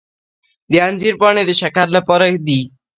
د انځر پاڼې د شکر لپاره دي.